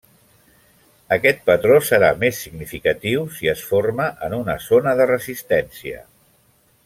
Aquest patró serà més significatiu si es forma en una zona de resistència.